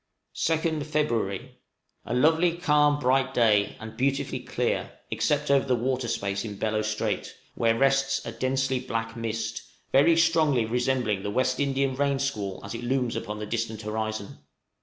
{FEB., 1859.} 2nd February. A lovely, calm, bright day, and beautifully clear, except over the water space in Bellot Strait, where rests a densely black mist, very strongly resembling the West Indian rain squall as it looms upon the distant horizon.